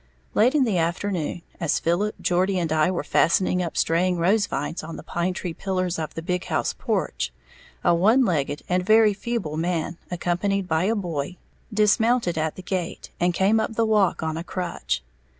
Late in the afternoon, as Philip, Geordie and I were fastening up straying rose vines on the pine tree pillars of the "big house" porch, a one legged and very feeble man, accompanied by a boy, dismounted at the gate and came up the walk on a crutch.